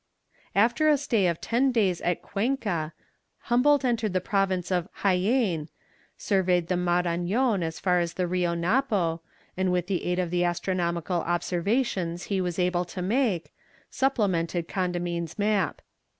After a stay of ten days at Cuença, Humboldt entered the province of Jaen, surveyed the Marañon as far as the Rio Napo, and with the aid of the astronomical observations he was able to make, supplemented Condamine's map.